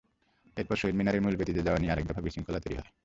এরপর শহীদ মিনারের মূল বেদিতে যাওয়া নিয়ে আরেক দফা বিশৃঙ্খলা তৈরি হয়।